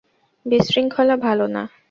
বিশৃঙ্খলা ভালো না।